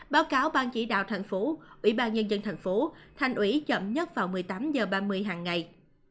báo cáo ban chỉ đạo thành phố ủy ban nhân dân thành phố thành ủy chậm nhất vào một mươi tám h ba mươi hàng ngày